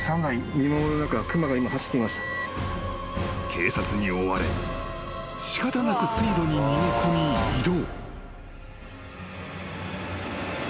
［警察に追われ仕方なく水路に逃げ込み移動］